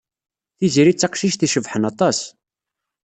Tiziri d taqcict icebḥen aṭas.